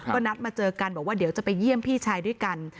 ก็นัดมาเจอกันบอกว่าเดี๋ยวจะไปเยี่ยมพี่ชายด้วยกัน